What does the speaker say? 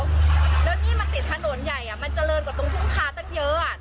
แล้วนี่มันติดถนนใหญ่มันเจริญกว่าตรงทุ่งคาตั้งเยอะ